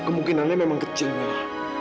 kemungkinannya memang kecil mila